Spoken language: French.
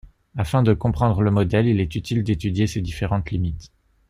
Afin de comprendre le modèle, il est utile d'étudier ses différentes limites.